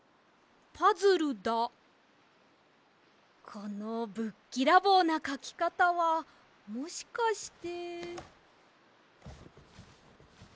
このぶっきらぼうなかきかたはもしかして。